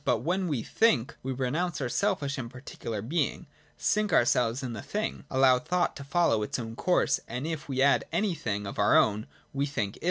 But when we think, we renounce our selfish and particular being, sink ourselves in the thing,; VOL. II. E 50 PRELIMINARY NOTION. [24. allow thought to follow its own course, and, — if we add any thing of our own, we think ill.